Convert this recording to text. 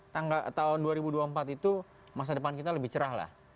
tahun dua ribu dua puluh empat itu masa depan kita lebih cerah lah